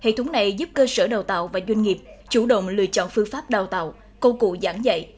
hệ thống này giúp cơ sở đào tạo và doanh nghiệp chủ động lựa chọn phương pháp đào tạo công cụ giảng dạy